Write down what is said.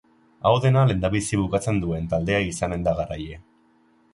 Hau dena lehendabizi bukatzen duen taldea izanen da garaile.